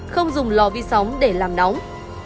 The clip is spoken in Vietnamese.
không dùng lò vi sóng để làm nóng